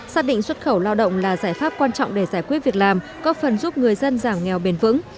xác định xuất khẩu lao động là giải pháp quan trọng để giải quyết việc làm có phần giúp người dân giảm nghèo bền vững